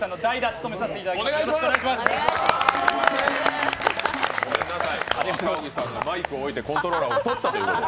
ごめんなさい、赤荻さんがマイクを置いてコントローラーを取ったということで。